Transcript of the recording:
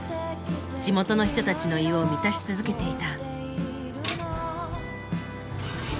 地元の人たちの胃を満たし続けていた。